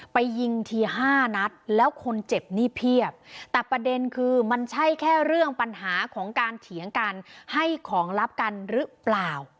ไปยิงทีห้านัดแล้วคนเจ็บนี่เพียบแต่ประเด็นคือมันใช่แค่เรื่องปัญหาของการเถียงกันให้ของลับกันหรือเปล่า